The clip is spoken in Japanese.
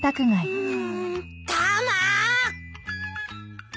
うん？